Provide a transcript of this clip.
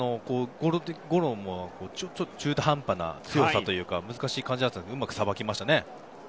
ゴロもちょっと中途半端な強さというか難しい感じでしたがうまくさばきましたね。